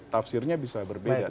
tafsirnya bisa berbeda